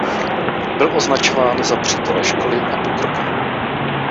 Byl označován za přítele školy a pokroku.